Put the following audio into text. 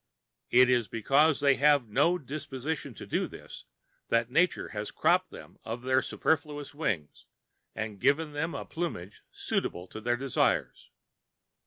It is because they have no disposition to do this, that Nature has cropped them of their superfluous wings and given them a plumage suitable to their desires.